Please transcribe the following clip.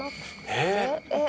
「えっ？